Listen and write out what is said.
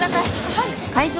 はい。